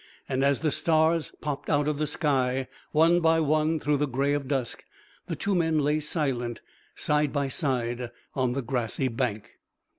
And as the stars popped out of the sky, one by one, through the gray of dusk, the two men lay silent, side by side, on the grassy bank.